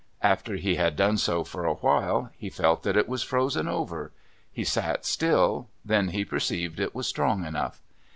After he had done so for a while, he felt that it was frozen over. He sat still. Then he perceived it was strong enough.